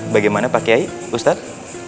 bagaimana pak kiai ustadz